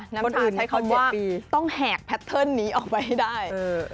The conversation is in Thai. คนอื่นใช้เขา๗ปีต้องแหกแพทเทิร์นนี้ออกไปให้ได้